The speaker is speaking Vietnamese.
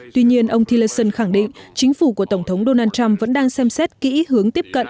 tuy nhiên ông tillerson khẳng định chính phủ của tổng thống donald trump vẫn đang xem xét kỹ hướng tiếp cận